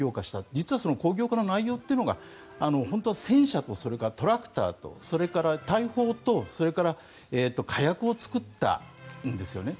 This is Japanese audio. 実はその工業化の内容というのが戦車とそれからトラクターとそれから大砲とそれから火薬を作ったんですよね。